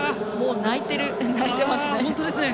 泣いてますね。